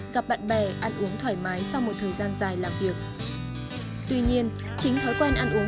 gặp bạn bè ăn uống thoải mái sau một thời gian dài làm việc tuy nhiên chính thói quen ăn uống